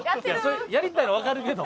やりたいのはわかるけど。